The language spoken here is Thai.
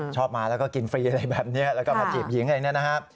ชอบมาแล้วก็กินฟรีอะไรแบบนี้แล้วก็มาเกียบหญิงอะไรแบบนี้นะฮะ